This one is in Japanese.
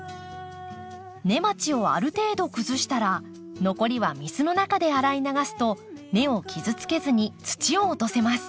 根鉢をある程度崩したら残りは水の中で洗い流すと根を傷つけずに土を落とせます。